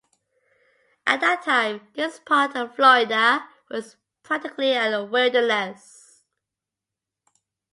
At that time this part of Florida was practically a wilderness.